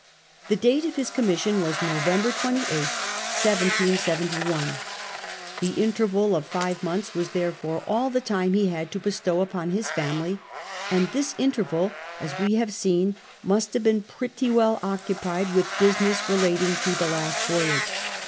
The date of his commission was November 28th, 1771. The interval of five months was therefore all the time he had to bestow upon his family; and this interval, as we have seen, must have been pretty well occupied Avith business relating to the last voyage.